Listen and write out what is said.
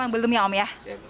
belum ya om ya